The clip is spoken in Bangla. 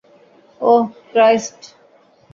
ওহ, ক্রাইস্ট।